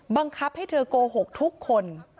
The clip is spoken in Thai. บังคับให้เธอโกหกทุกคน